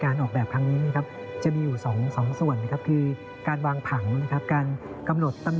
เราก็จดอย่างเงี้ยจด